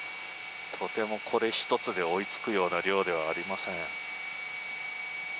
とても、これ１つで追いつくような量ではありません。